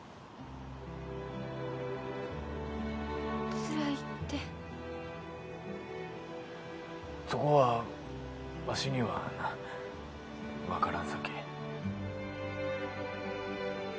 つらいってそこはわしにはな分からんさけ